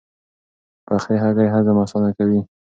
پخې هګۍ هضم اسانه کوي.